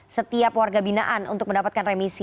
setiap warga binaan untuk mendapatkan remisi